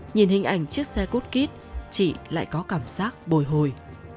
nhìn hình ảnh chiếc xe cút kít chị lại có cảm giác bồi hồi